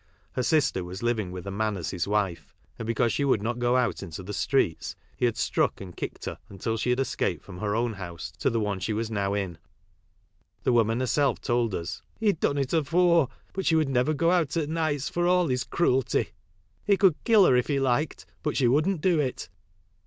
Her sister was living with a man, as his wife, and because she would not go out into the streets he had struck and kicked her until she had escaped from her own house to the one she was now in. The woman herself told us " He'd done it afore, but she would never go out at nights for all his cruelty. He could kill her if he liked, but she wouldn't do it."